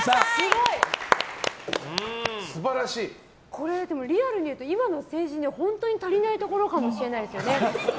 これ、リアルに言うと今の政治に本当に足りないところかもしれないですよね。